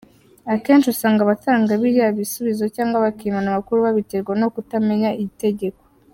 Akenshi usanga abatanga biriya bisubizo cyangwa bakimana amakuru babiterwa no kutamenya itegeko.